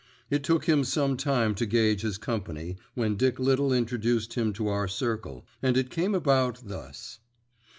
It took him some time to gauge his company, when Dick Little introduced him to our circle, and it came about thus.